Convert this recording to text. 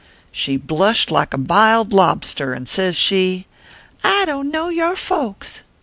She blushed like a biled lob ster, and sez she : I don t know your folks.